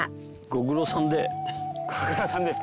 ご苦労さんです。